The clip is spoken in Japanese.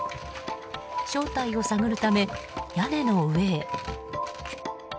正体を探るため、屋根の上へ。